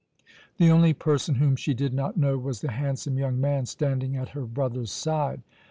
The only person whom she did not know was the handsome young man standing at her brother's side.